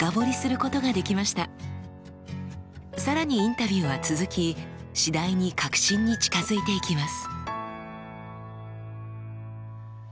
更にインタビューは続き次第に核心に近づいていきます。